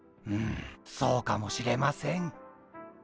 うんそうかもしれません。